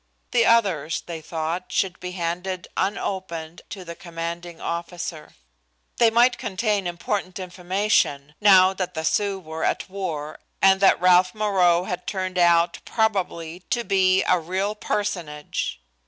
The others, they thought, should be handed unopened to the commanding officer. They might contain important information, now that the Sioux were at war and that Ralph Moreau had turned out probably to be a real personage.